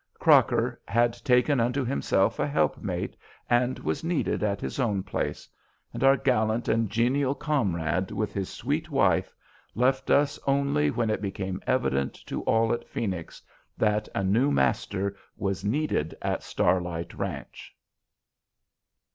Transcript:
Crocker had taken unto himself a helpmate and was needed at his own place, and our gallant and genial comrade with his sweet wife left us only when it became evident to all at Phoenix that a new master was needed at Starlight Ranch.